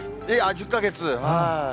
１０か月。